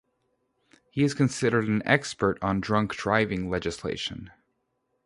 He is considered an expert on drunk driving legislation.